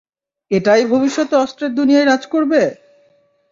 এটাই ভবিষ্যতে অস্ত্রের দুনিয়ায় রাজ করবে!